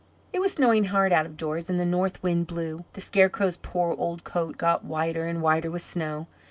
It was snowing hard out of doors, and the north wind blew. The Scarecrow's poor old coat got whiter and whiter with snow.